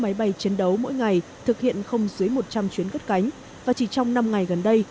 máy bay chiến đấu mỗi ngày thực hiện không dưới một trăm linh chuyến cất cánh và chỉ trong năm ngày gần đây